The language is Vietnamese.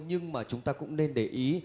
nhưng mà chúng ta cũng nên để ý